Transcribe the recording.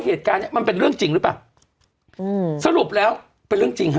เหตุการณ์เนี้ยมันเป็นเรื่องจริงหรือเปล่าอืมสรุปแล้วเป็นเรื่องจริงฮะ